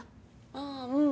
あぁうん。